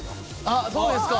あっそうですか。